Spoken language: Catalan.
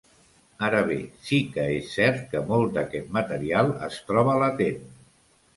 Ara bé, sí que és cert que molt d’aquest material es troba latent.